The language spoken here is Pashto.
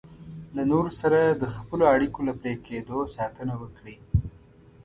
له نورو سره د خپلو اړیکو له پرې کېدو ساتنه وکړئ.